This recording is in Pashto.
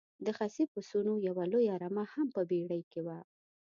د خسي پسونو یوه لویه رمه هم په بېړۍ کې وه.